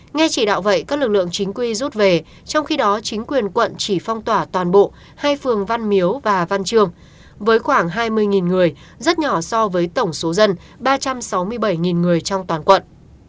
nghe chỉ đạo vậy các lực lượng chính quy rút về trong khi đó chính quyền quận chỉ phong tỏa toàn bộ hai phường văn miếu và văn trường với khoảng hai mươi người rất nhỏ so với tổng số dân ba trăm sáu mươi bảy người trong toàn quận